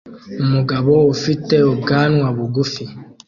umugabo ufite ubwanwa bugufi